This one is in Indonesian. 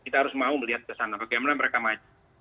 kita harus mau melihat ke sana bagaimana mereka maju